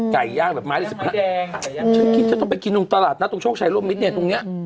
ฉันกินฉันต้องไปกินตรงตลาดนะตรงโชคชัยร่วมมิตรเนี่ยตรงเนี่ย